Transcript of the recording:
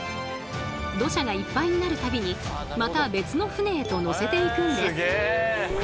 土砂がいっぱいになる度にまた別の船へと載せていくんです。